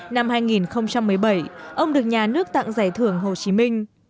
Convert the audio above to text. năm hai nghìn một mươi bảy ông được nhà nước tặng giải thưởng hồ chí minh